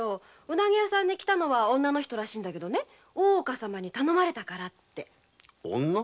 うなぎ屋に来たのは女の人らしいんだけど大岡様から頼まれたからって。女？